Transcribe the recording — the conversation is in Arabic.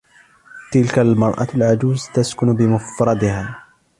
تلك المرأة العجوز تسكن بمفردها.